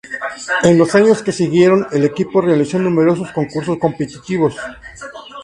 En los años que siguieron, el equipo realizó numerosos concursos competitivos.